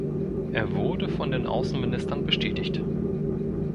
Er wurde von den Außenministern bestätigt.